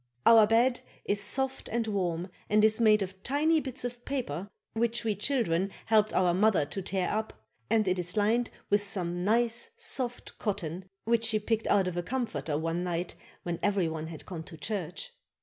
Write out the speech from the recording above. Our bed is soft and warm and is made of tiny bits of paper which we children helped our mother to tear up and it is lined with some nice soft cotton which she picked out of a comforter one night when every one had gone to church.